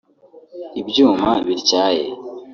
ibyuma bityaye